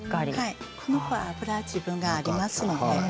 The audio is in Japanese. この子は脂自分でありますので。